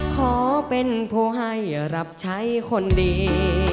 ขอเป็นผู้ให้รับใช้คนดี